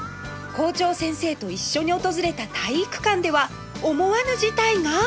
校長先生と一緒に訪れた体育館では思わぬ事態が！？